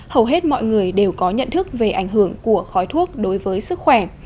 hầu hết mọi người đều có nhận thức về ảnh hưởng của khói thuốc đối với sức khỏe